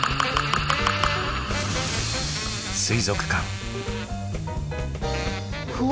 水族館。